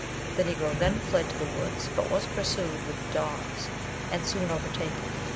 The Negro then fled to the woods, but was pursued with dogs, and soon overtaken.